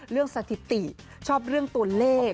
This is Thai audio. เรื่องสศิษย์ชอบเรื่องตัวเลข